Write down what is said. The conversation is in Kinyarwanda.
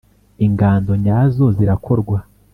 Ingando nyazo zirakorwa.